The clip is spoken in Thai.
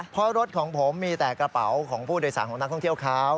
เพราะรถของผมมีแต่กระเป๋าของผู้โดยสารของนักท่องเที่ยวเขา